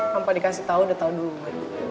tanpa dikasih tau udah tau dulu